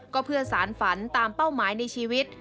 ก็เพื่อสารฝันตามเป้าหมายในชีวิต